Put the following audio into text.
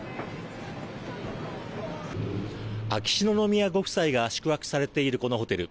秋篠宮ご夫妻が宿泊されているこのホテル。